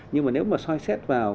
nhưng mà nếu mà soi xét vào